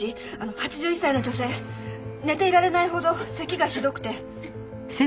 ８１歳の女性寝ていられないほどせきがひどくて。